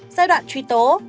giai đoạn truy tố